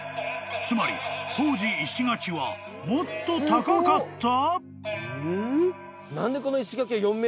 ［つまり当時石垣はもっと高かった！？］